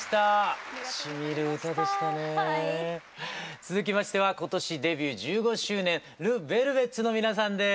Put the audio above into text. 続きましては今年デビュー１５周年ＬＥＶＥＬＶＥＴＳの皆さんです。